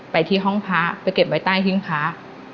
ไปที่ห้องพระไปเก็บไว้ใต้หิ้งพระ